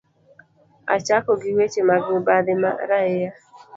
Achako gi weche mag mibadhi ma raia